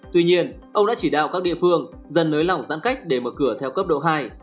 tuy nhiên ông đã chỉ đạo các địa phương dần nới lỏng giãn cách để mở cửa theo cấp độ hai